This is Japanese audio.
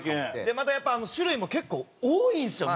またやっぱ種類も結構多いんですよ